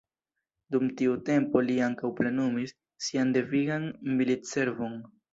Dum tiu tempo li ankaŭ plenumis sian devigan militservon.